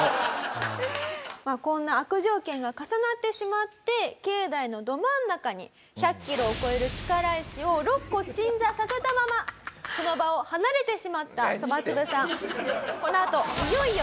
こんな悪条件が重なってしまって境内のど真ん中に１００キロを超える力石を６個鎮座させたままその場を離れてしまったそばつぶさん。